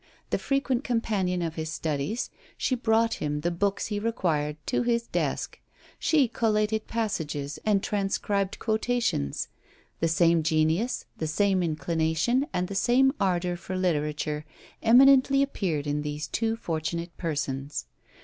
The frequent companion of his studies, she brought him the books he required to his desk; she collated passages, and transcribed quotations; the same genius, the same inclination, and the same ardour for literature, eminently appeared in those two fortunate persons.